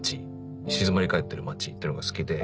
静まり返ってる街っていうのが好きで。